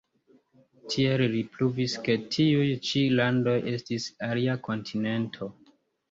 Tiel li pruvis ke tiuj ĉi landoj estis alia kontinento.